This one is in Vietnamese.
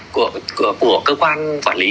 của cơ quan quản lý